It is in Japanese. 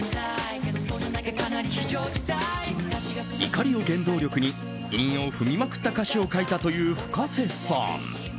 怒りを原動力に、韻を踏みまくった歌詞を書いたというＦｕｋａｓｅさん。